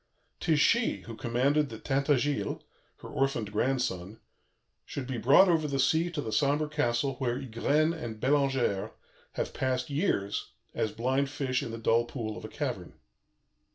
'Tis she who commanded that Tintagiles, her orphaned grandson, should be brought over the sea to the sombre castle where Ygraine and Bellangère have passed years, as blind fish in the dull pool of a cavern.